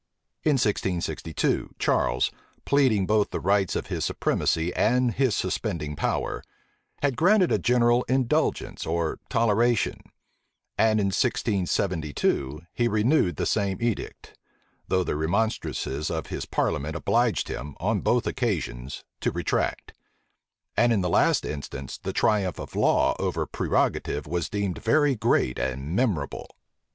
In 1662, Charles, pleading both the rights of his supremacy and his suspending power, had granted a general indulgence or toleration; and, in 1672, he renewed the same edict: though the remonstrances of his parliament obliged him, on both occasions, to retract; and, in the last instance, the triumph of law over prerogative was deemed very great and memorable.